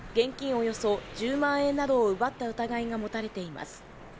およそ１０万円などを奪った疑いが持たれています。